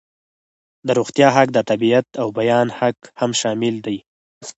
د روغتیا حق، د تابعیت او بیان حق هم شامل دي.